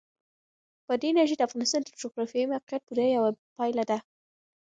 بادي انرژي د افغانستان د جغرافیایي موقیعت پوره یوه پایله ده.